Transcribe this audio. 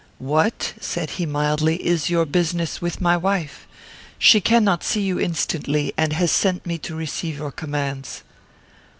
"What," said he, mildly, "is your business with my wife? She cannot see you instantly, and has sent me to receive your commands."